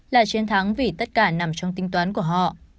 là chiến thắng vì tất cả nằm trong tinh toán của họ